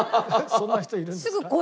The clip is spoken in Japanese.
そんな人いるんですか？